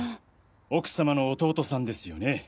奥様の弟さんですよね